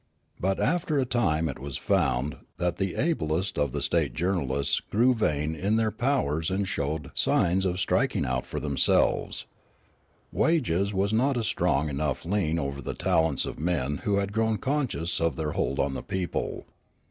But after a time it was found that the ablest of the state journalists grew vain of their powers and showed signs of striking out for themselves. Wages w'as not a strong enough lien over the talents of men who had grown conscious of their hold on the people.